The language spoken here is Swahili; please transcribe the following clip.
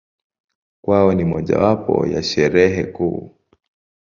Kwao ni mojawapo ya Sherehe kuu.